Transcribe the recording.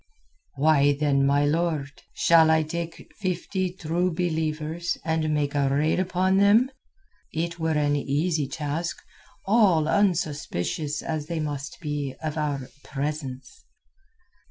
"Why, then, my lord, shall I take fifty True Believers and make a raid upon them? It were an easy task, all unsuspicious as they must be of our presence."